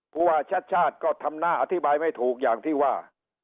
ผู้ว่าชัดชาติก็ทำหน้าอธิบายไม่ถูกอย่างที่ว่า